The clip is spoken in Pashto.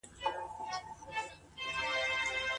د بد ژوند ناوړه پايلې بايد هغې ته بيان سي.